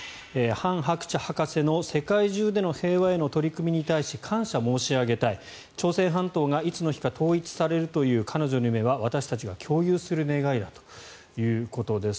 ハン・ハクチャ博士の世界中での平和への取り組みに対し感謝申し上げたい朝鮮半島がいつの日か統一されるという彼女の夢は私たちが共有する願いだということです。